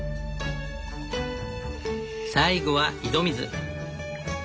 最後は井戸水。